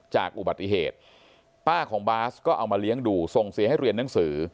จากอุบัติเหตุป้าของบาสก็เอามาเลี้ยงดูส่งเสียให้เรียนหนังสือ